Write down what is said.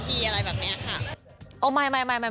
แล้วถึงตอนนั้นเดี๋ยวค่อยคุยกันอีกทีอะไรแบบนี้ค่ะ